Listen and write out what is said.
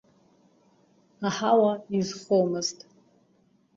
Аҳауа изхомызт.